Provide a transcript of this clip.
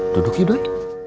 duduk ya duy